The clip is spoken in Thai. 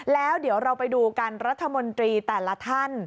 แล้วเดี๋ยวเราไปดูกันรัฐมนตรีแต่ละท่าน